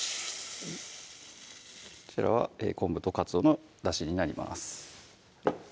こちらは昆布とかつおのだしになります